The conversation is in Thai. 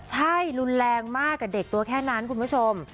ใช่รุนแรงมากกับเด็กตัวแค่นั้นคุณผู้ชม